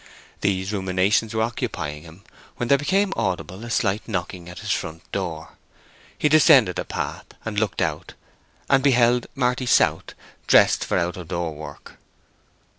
These ruminations were occupying him when there became audible a slight knocking at his front door. He descended the path and looked out, and beheld Marty South, dressed for out door work.